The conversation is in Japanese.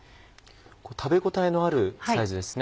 食べ応えのあるサイズですね。